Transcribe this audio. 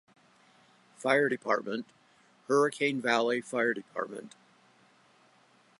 Fire Department; Hurricane Valley Fire Department.